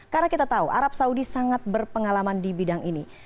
karena kita tahu arab saudi sangat berpengalaman di bidang ini